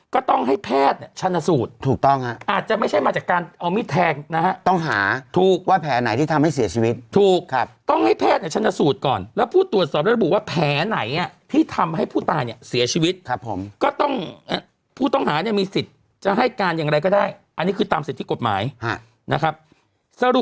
ก็ต้องให้แพทย์เนี่ยชนะสูตรถูกต้องฮะอาจจะไม่ใช่มาจากการเอามีดแทงนะฮะต้องหาถูกว่าแผลไหนที่ทำให้เสียชีวิตถูกครับต้องให้แพทย์เนี่ยชนะสูตรก่อนแล้วผู้ตรวจสอบระบุว่าแผลไหนอ่ะที่ทำให้ผู้ตายเนี่ยเสียชีวิตครับผมก็ต้องผู้ต้องหาเนี่ยมีสิทธิ์จะให้การอย่างไรก็ได้อันนี้คือตามสิทธิกฎหมายนะครับสรุป